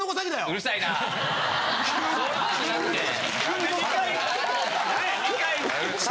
うるさいよ！